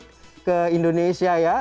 sudah bisa mudik ke indonesia ya